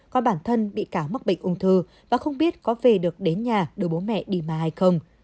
có bản thân bị cáo mắc bệnh ung thư và không biết có về được đến nhà đưa bố mẹ đi mà hay không